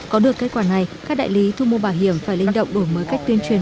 có được kết quả này các đại lý thu mua bảo hiểm phải linh động đổi mới cách tuyên truyền